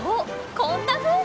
こんなふうに。